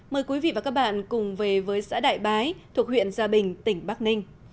mời quý vị và các bạn cùng về với xã đại bái thuộc huyện gia bình tỉnh bắc ninh